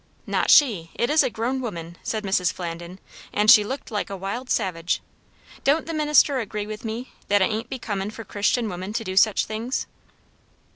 "Not she. It is a grown woman," said Mrs. Flandin; "and she looked like a wild savage. Don't the minister agree with me, that it ain't becomin' for Christian women to do such things?"